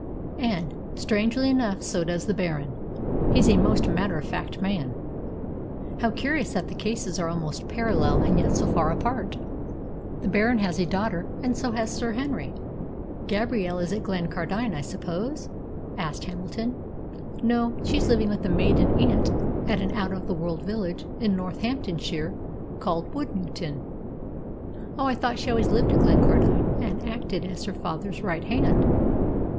"And, strangely enough, so does the Baron. He's a most matter of fact man." "How curious that the cases are almost parallel, and yet so far apart! The Baron has a daughter, and so has Sir Henry." "Gabrielle is at Glencardine, I suppose?" asked Hamilton. "No, she's living with a maiden aunt at an out of the world village in Northamptonshire called Woodnewton." "Oh, I thought she always lived at Glencardine, and acted as her father's right hand."